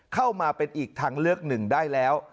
เข้ามาเป็นอีกทางเลือกหนึ่งได้แล้ว